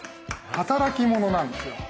働き者なんですよ。